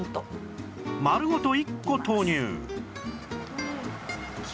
丸ごと一個投入！